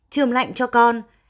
trường lạnh cho con